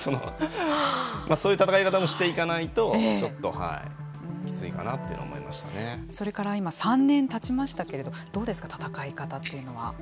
そういう戦い方もしていかないとちょっときついかなというのはそれから今３年たちましたけれどどうですか、戦い方というのは。